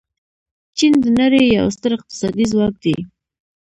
چین د نړۍ یو ستر اقتصادي ځواک دی.